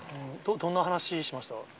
どんな話しました？